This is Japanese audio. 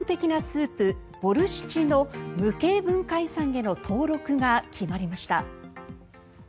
ウクライナの伝統的なスープ、ボルシチの無形文化遺産への登録が決まりました。